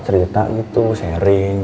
cerita gitu sharing